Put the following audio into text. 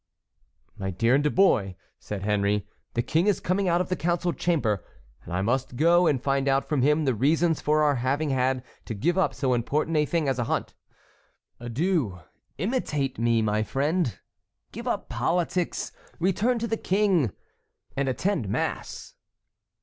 "My dear De Mouy," said Henry, "the King is coming out of the council chamber, and I must go and find out from him the reasons for our having had to give up so important a thing as a hunt. Adieu; imitate me, my friend, give up politics, return to the King and attend mass."